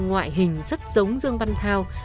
ngoại hình rất giống dương văn thao